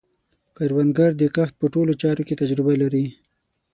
کروندګر د کښت په ټولو چارو کې تجربه لري